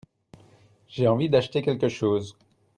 J'ai envie d'acheter quelque chose.